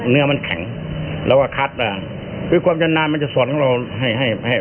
เนื้อมันแข็งเราก็คัดมาคือความจำนานมันจะสอนของเราให้ให้ให้